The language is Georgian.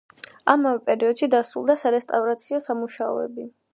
ამავე პერიოდში დასრულდა სარესტავრაციო სამუშაოები.